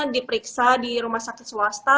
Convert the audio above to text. diperiksa di rumah sakit swasta